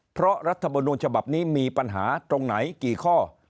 เพราะรัฐมนุนฉบับนี้มีปัญหาตรงไหนกี่ข้อ